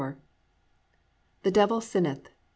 "The Devil Sinneth."